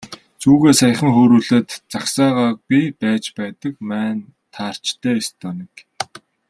Сүүгээ саяхан хөөрүүлээд загсаагаагүй байж байдаг маань таарч дээ, ёстой нэг.